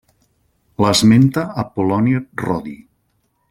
L'esmenta Apol·loni Rodi.